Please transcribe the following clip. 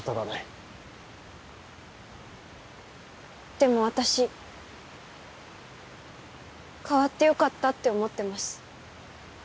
でも私変わってよかったって思ってます。